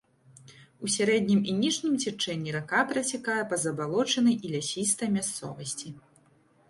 У сярэднім і ніжнім цячэнні рака працякае па забалочанай і лясістай мясцовасці.